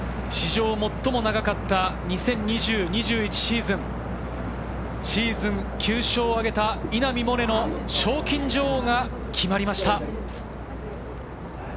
この瞬間に史上最も長かった２０２０−２１シーズン、シーズン９勝を挙げた稲見萌寧の賞金女王が決まりました。